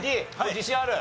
自信ある？